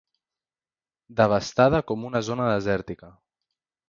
Devastada com una zona desèrtica.